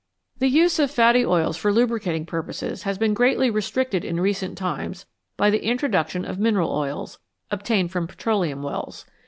The use of fatty oils for lubricating purposes has been greatly restricted in recent times by the intro duction of mineral oils, obtained from petroleum wells.